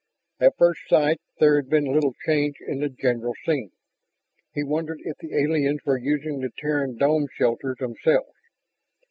At first sight there had been little change in the general scene. He wondered if the aliens were using the Terran dome shelters themselves.